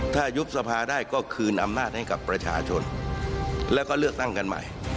ถ้ายุบสภาได้ก็คืนอำนาจให้กับประชาชนแล้วก็เลือกตั้งกันใหม่